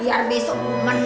biar besok menang